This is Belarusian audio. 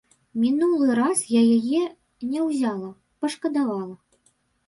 Мінулы раз я яе не ўзяла, пашкадавала.